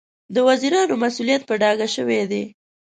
د وزیرانو مسوولیت په ډاګه شوی دی.